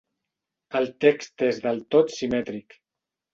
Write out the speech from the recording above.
El text és del tot simètric.